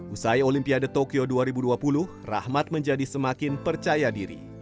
usai olimpiade tokyo dua ribu dua puluh rahmat menjadi semakin percaya diri